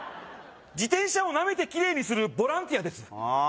自転車をなめてキレイにするボランティアですはあ